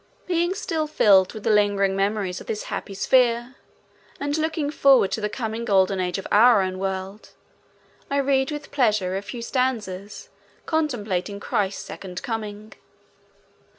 Being still filled with the lingering memories of this happy sphere, and looking forward to the coming golden age of our own world, I read with pleasure a few stanzas contemplating Christ's second coming.